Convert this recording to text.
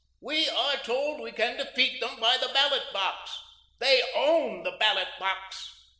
We are told we can defeat them by the ballot box. They own the ballot box.